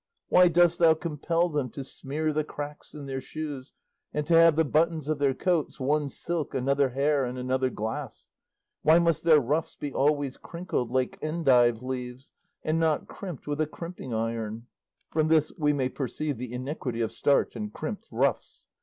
Why dost thou compel them to smear the cracks in their shoes, and to have the buttons of their coats, one silk, another hair, and another glass? Why must their ruffs be always crinkled like endive leaves, and not crimped with a crimping iron?" (From this we may perceive the antiquity of starch and crimped ruffs.)